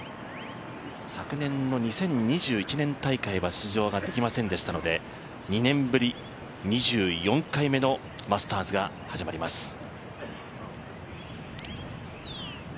昨年の２０２１年大会は出場ができませんでしたので２年ぶり、２４回目のマスターズが始まります。